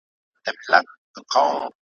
اوس هغه جنډۍ له ویري دي سرټیټي `